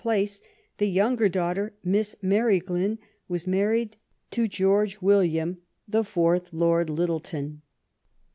i, ^^^^ place the younger daughter, Miss Mary Glynne, was married to George William, the fourth Lord Lyttelton.